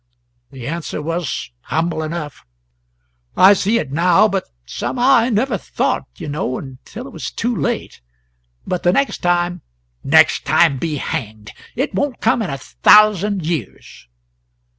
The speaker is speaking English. The answer was humble enough: "I see it now, but somehow I never thought, you know, until it was too late. But the next time " "Next time be hanged! It won't come in a thousand years."